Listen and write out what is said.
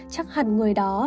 chắc hẳn người đó